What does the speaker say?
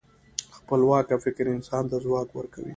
خپلواکه فکر انسان ته ځواک ورکوي.